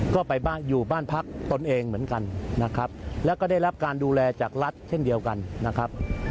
ก็ไปบ้านอยู่บ้านพักตนเองเหมือนกันนะครับแล้วก็ได้รับการดูแลจากรัฐเช่นเดียวกันนะครับ